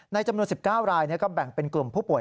จำนวน๑๙รายก็แบ่งเป็นกลุ่มผู้ป่วย